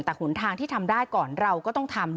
แต่หนทางที่ทำได้ก่อนเราก็ต้องทำ